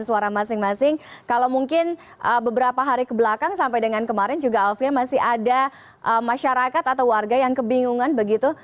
dan suara masing masing kalau mungkin beberapa hari kebelakang sampai dengan kemarin juga alvin masih ada masyarakat atau warga yang kebingungan begitu